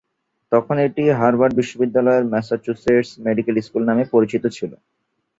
তখন এটি হার্ভার্ড বিশ্ববিদ্যালয়ের "ম্যাসাচুসেটস মেডিকেল স্কুল" নামে পরিচিত ছিল।